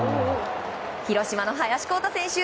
広島の林晃汰選手